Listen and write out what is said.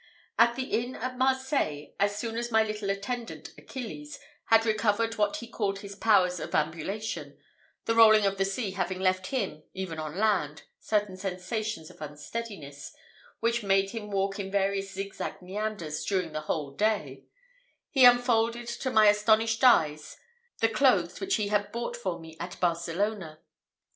At the inn at Marseilles, as soon as my little attendant, Achilles, had recovered what he called his powers of ambulation, the rolling of the sea having left him, even on land, certain sensations of unsteadiness which made him walk in various zigzag meanders during the whole day, he unfolded to my astonished eyes the clothes which he had bought for me at Barcelona.